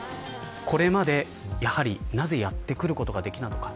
これまで、なぜやってくることができたのか。